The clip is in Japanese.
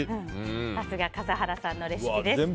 さすが笠原さんのレシピです。